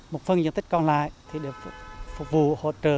một phần diện tích còn lại thì được phục vụ hỗ trợ